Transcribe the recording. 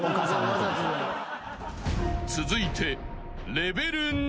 ［続いて］